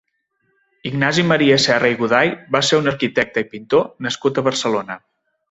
Ignasi Maria Serra i Goday va ser un arquitecte i pintor nascut a Barcelona.